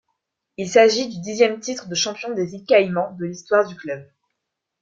Il s’agit du dixième titre de champion des îles Caïmans de l'histoire du club.